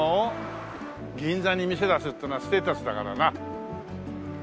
銀座に店出すっていうのはステータスだからな。